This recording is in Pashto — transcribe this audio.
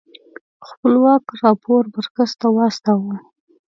خپلواک راپور مرکز ته واستوه.